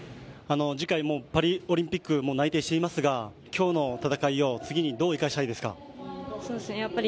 次回もパリオリンピックも内定していますが今日の戦いを次にどう生かしたいですか。